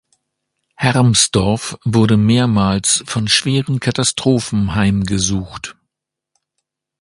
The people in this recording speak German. Hermsdorf wurde mehrmals von schweren Katastrophen heimgesucht.